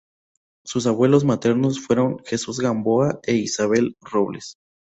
Sus abuelos maternos fueron Jesús Gamboa e Isabel Robles.